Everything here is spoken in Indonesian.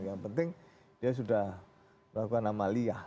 yang penting dia sudah melakukan amaliyah